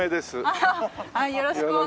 アハハよろしくお願い致します。